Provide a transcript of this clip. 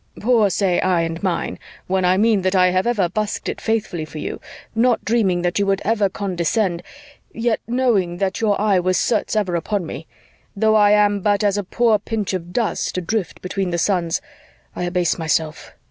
"Poor say I and mine, when I mean that I have ever busked it faithfully for you, not dreaming that you would ever condescend ... yet knowing that your eye was certes ever upon me ... though I am but as a poor pinch of dust adrift between the suns ... I abase myself.